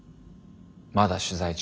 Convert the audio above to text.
まだ取材中。